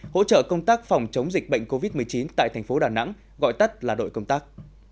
hỗ trợ công tác phòng chống dịch bệnh covid một mươi chín tại thành phố đà nẵng gọi tắt là đội công tác